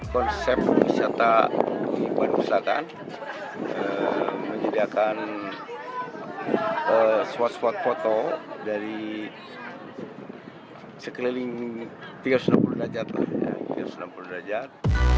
konsep wisata di bandung selatan menjadi akan